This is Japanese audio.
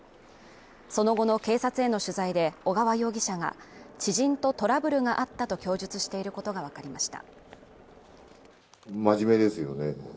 その後の警察への取材で小川容疑者が知人とトラブルがあったと供述していることがわかりました。